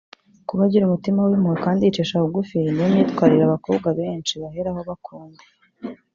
Kuba agira umutima w’impuhwe kandi yicisha bugufi ni yo myitwarire abakobwa benshi baheraho bakunda